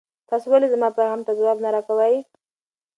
تاسو ولې زما پیغام ته ځواب نه راکوئ؟